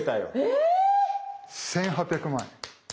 え⁉１，８００万円。